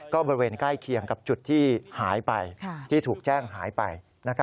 ก็บริเวณใกล้เคียงกับจุดที่หายไปที่ถูกแจ้งหายไป